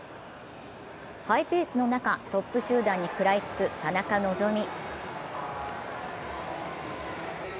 ハイペースの中、トップ集団に食らいつく田中希実。